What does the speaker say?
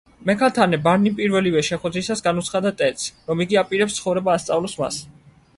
მექალთანე ბარნიმ პირველივე შეხვედრისას განუცხადა ტედს, რომ იგი აპირებს „ცხოვრება ასწავლოს“ მას.